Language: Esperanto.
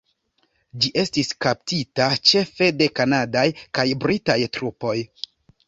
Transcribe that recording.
Ĝi estis kaptita ĉefe de kanadaj kaj britaj trupoj.